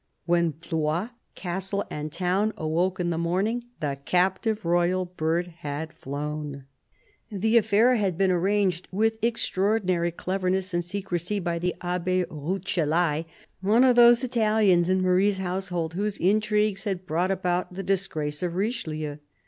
When Blois, castle and town, awoke in the morning, the captive royal bird had flown. The affair had been arranged, with extraordinary cleverness and secrecy, by the Abb6 Rucellai, one of those Italians in Marie's household whose intrigues had brought about the disgrace of Richelieu.